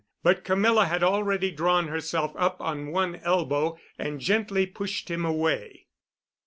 But Camilla had already drawn herself up on one elbow and gently pushed him away.